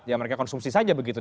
ya mereka konsumsi saja begitu